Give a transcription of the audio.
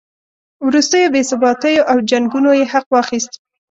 وروستیو بې ثباتیو او جنګونو یې حق واخیست.